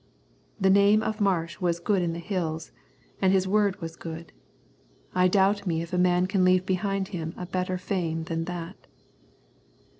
The name of Marsh was good in the Hills, and his word was good. I doubt me if a man can leave behind him a better fame than that.